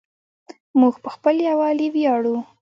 موږ په خپل یووالي ویاړو.